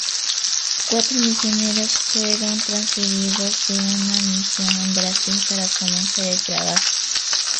Cuatro misioneros fueron transferidos de una misión en Brasil para comenzar el trabajo.